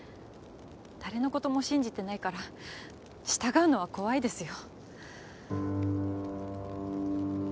誰のことも信じてないから従うのは怖いですよ